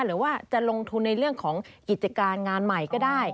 หรือว่าจะลงทุนในเรื่องของกิจการงานใหม่ก็ได้